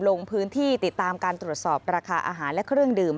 ลงพื้นที่ติดตามการตรวจสอบราคาอาหารและเครื่องดื่ม